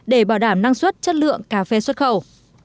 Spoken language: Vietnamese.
để bảo đảm năng suất chất lượng cà phê xuất khẩu